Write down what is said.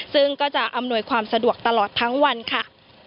ซึ่งก็จะอำนวยความสะดวกตลอดทั้งวันค่ะ